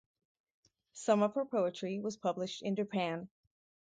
Some of her poetry was published in Japan.